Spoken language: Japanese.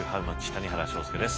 谷原章介です。